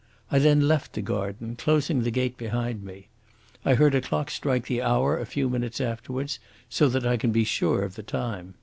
I then left the garden, closing the gate behind me. I heard a clock strike the hour a few minutes afterwards, so that I can be sure of the time.